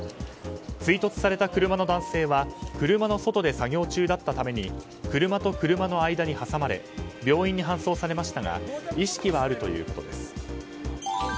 追突された車の男性は車の外で作業中だったために車と車の間に挟まれ病院に搬送されましたが意識はあるということです。